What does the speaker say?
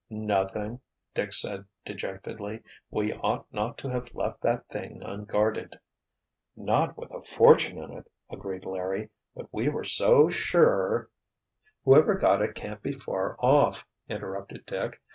"Nothing," Dick said dejectedly. "We ought not to have left that thing unguarded." "Not with a fortune in it," agreed Larry. "But we were so sure——" "Whoever got it can't be far off," interrupted Dick.